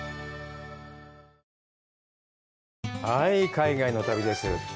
海外の旅です。